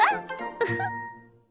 ウフッ。